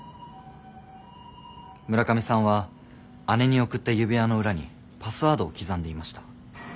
村上さんは姉に贈った指輪の裏にパスワードを刻んでいました。